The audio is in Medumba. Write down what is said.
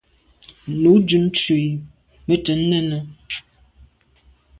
Nu dun tu i me dut nène.